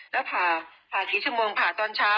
แล้วผ่าผ่ากี่ชั่วโมงผ่าตอนเช้า